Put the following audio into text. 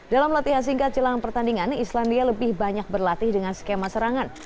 dalam latihan singkat jelang pertandingan islandia lebih banyak berlatih dengan skema serangan